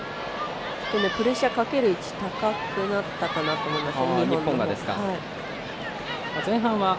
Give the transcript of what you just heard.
プレッシャーかける位置が高くなったと思います。